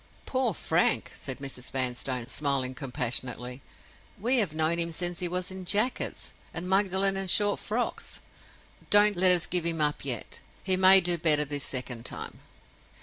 "Poor Frank!" said Mrs. Vanstone, smiling compassionately. "We have known him since he was in jackets, and Magdalen in short frocks. Don't let us give him up yet. He may do better this second time."